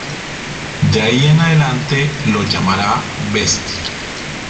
De ahí en adelante lo llamará "Bestia".